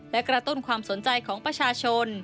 และกระตุ้นความสนใจของประชาชน